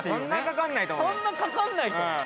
そんなかかんないと思うよ